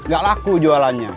gak laku jualannya